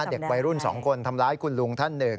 เด็กวัยรุ่น๒คนทำร้ายคุณลุงท่านหนึ่ง